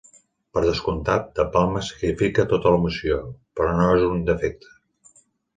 Per descomptat, De Palma sacrifica tot a l'emoció, però no és un defecte.